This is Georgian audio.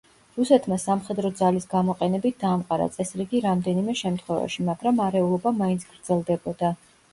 რუსეთმა სამხედრო ძალის გამოყენებით დაამყარა წესრიგი რამდენიმე შემთხვევაში, მაგრამ არეულობა მაინც გრძელდებოდა.